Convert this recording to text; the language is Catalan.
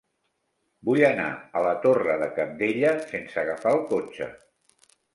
Vull anar a la Torre de Cabdella sense agafar el cotxe.